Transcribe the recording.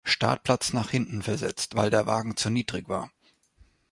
Startplatz nach hinten versetzt, weil der Wagen zu niedrig war.